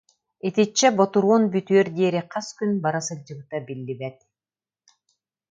итиччэ ботуруон бүтүөр диэри хас күн бара сылдьыбыта биллибэт